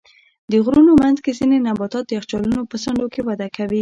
د غرونو منځ کې ځینې نباتات د یخچالونو په څنډو کې وده کوي.